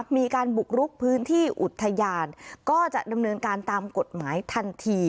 มีการบุกรุกพื้นที่อุทยานก็จะดำเนินการตามกฎหมายทันที